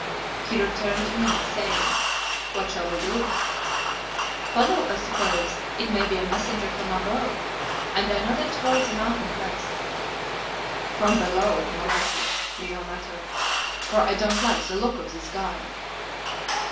He returned to me saying, "What shall we do?" "Follow, I suppose. It may be a messenger from above," and I nodded toward the mountain crest. "From below, more likely," Leo muttered, "for I don't like the look of this guide."